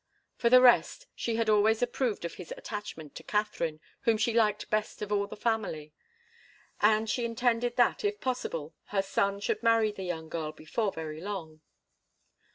For the rest, she had always approved of his attachment for Katharine, whom she liked best of all the family, and she intended that, if possible, her son should marry the young girl before very long.